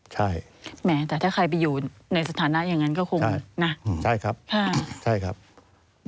ใช่แต่ถ้าใครไปอยู่ในสถานะอย่างงั้นก็คงน่ะ